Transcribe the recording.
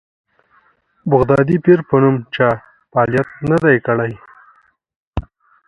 بغدادي پیر په نوم چا فعالیت نه دی کړی.